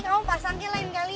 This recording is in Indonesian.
kamu pasangnya lain kali